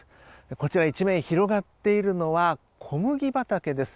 こちらに一面広がっているのは小麦畑です。